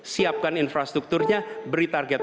siapkan infrastrukturnya beri target